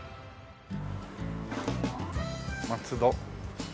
松戸。